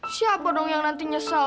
siapa dong yang nanti nyesel